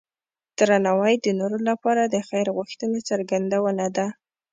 درناوی د نورو لپاره د خیر غوښتنې څرګندونه ده.